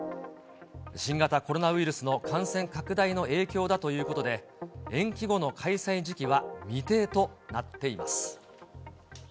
新型コロナウイルスの感染拡大の影響だということで、延期後の開催時期は未定となっています。